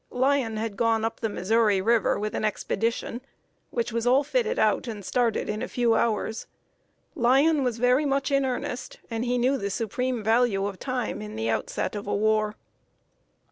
Lyon had gone up the Missouri River with an expedition, which was all fitted out and started in a few hours. Lyon was very much in earnest, and he knew the supreme value of time in the outset of a war.